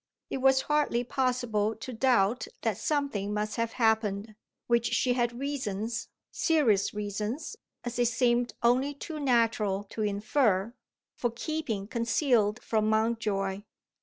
It was hardly possible to doubt that something must have happened, which she had reasons serious reasons, as it seemed only too natural to infer for keeping concealed from Mountjoy.